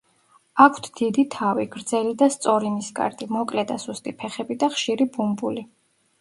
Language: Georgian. აქვთ დიდი თავი, გრძელი და სწორი ნისკარტი, მოკლე და სუსტი ფეხები და ხშირი ბუმბული.